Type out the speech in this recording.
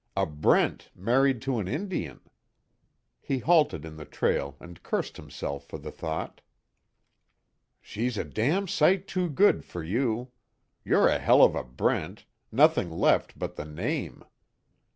A Brent married to an Indian!" He halted in the trail and cursed himself for the thought. "She's a damn sight too good for you! You're a hell of a Brent nothing left but the name!